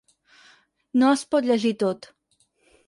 No es pot llegir tot.